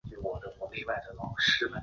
清朝为安徽省泗州盱眙。